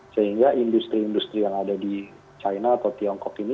sehingga industri industri yang ada di china atau tiongkok ini